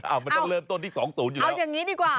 มันต้องเริ่มต้นที่๒๐อยู่แล้วเอาอย่างนี้ดีกว่า